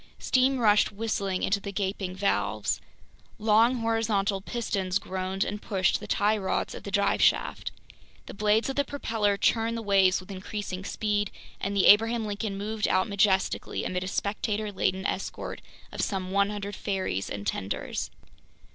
Steam rushed whistling into the gaping valves. Long horizontal pistons groaned and pushed the tie rods of the drive shaft. The blades of the propeller churned the waves with increasing speed, and the Abraham Lincoln moved out majestically amid a spectator laden escort of some 100 ferries and tenders.